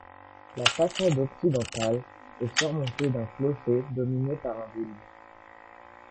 La façade occidentale est surmontée d'un clocher dominé par un bulbe.